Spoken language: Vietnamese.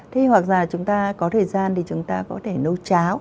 thế hoặc là chúng ta có thời gian thì chúng ta có thể nấu cháo